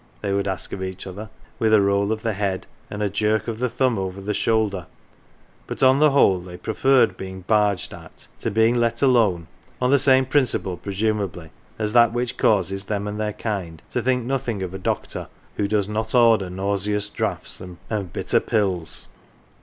" they would ask of each other with a roll of the head, and a jerk of the thumb over the shoulder; but on the whole they preferred being " barged at " to being let alone, on the same principle, presumably, as that which causes them and their kind to think nothing of a doctor who does not order nauseous draughts and bitter pills.